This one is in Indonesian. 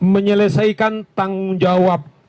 menyelesaikan tanggung jawab